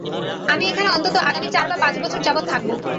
আমি এখানে অন্তত আগামী চার বা পাঁচ বছর যাবত থাকবো।